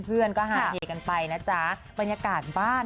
หรือลูกเนี่ยก็ไม่ว่าอีกแล้ว